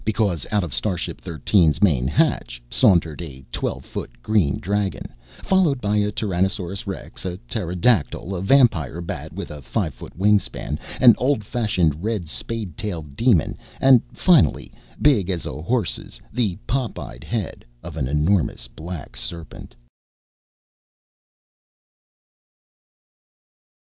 Because, out of starship Thirteen's main hatch sauntered a twelve foot green dragon, followed by a Tyrannosaurus Rex, a pterodactyl, a vampire bat with a five foot wingspan, an old fashioned red, spade tailed demon, and finally, big as a horse's, the pop eyed head of an enormous black serpent....